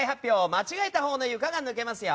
間違えたほうの床が抜けますよ。